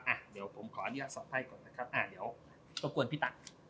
อ่ะเดี๋ยวโปร่งกันพี่ตังค์